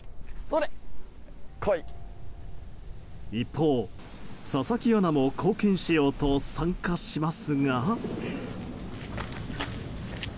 一方、佐々木アナも貢献しようと参加しますが。